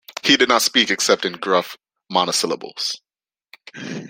He did not speak except in gruff monosyllables.